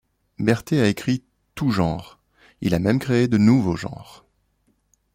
Berthet a écrit tout genre, il a même créé de nouveaux genres.